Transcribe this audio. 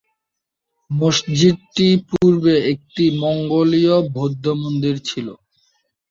মসজিদটি পূর্বে একটি মঙ্গোলিয় বৌদ্ধ মন্দির ছিল।